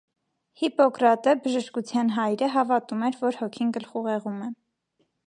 Հիպոկրատը՝ բժշկության հայրը, հավատում էր, որ հոգին գլխուղեղում է։